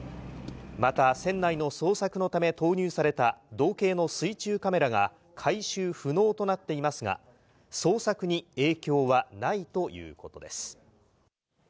また船内の捜索のため投入された道警の水中カメラが回収不能となっていますが、捜索に影響はないということです。